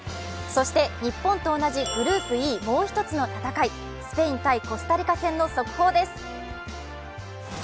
そして、日本と同じグループＥ、もう一つの戦い、スペイン×コスタリカ戦の速報です。